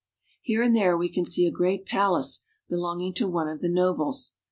Here and there we can see a great palace belong ing to one of the nobles.